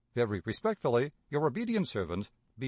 "Very respectfully, your obedient servant, "B.